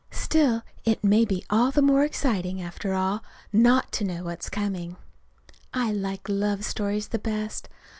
Still, it may be all the more exciting, after all, not to know what's coming. I like love stories the best.